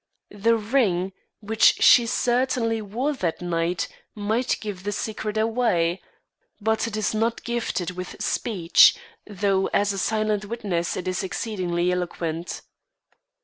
The ring, which she certainly wore that night, might give the secret away; but it is not gifted with speech, though as a silent witness it is exceedingly eloquent."